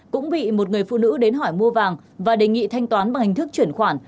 cũng bị một người phụ nữ đến hỏi mua vàng và đề nghị thanh toán bằng hình thức chuyển khoản